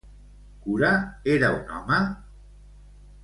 Cura era un home?